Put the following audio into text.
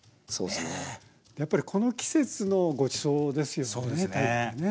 やっぱりこの季節のごちそうですよね鯛ってね。